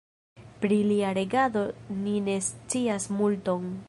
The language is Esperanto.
Pri lia regado ni ne scias multon.